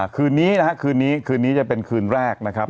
คืนนี้นะครับคืนนี้คืนนี้จะเป็นคืนแรกนะครับ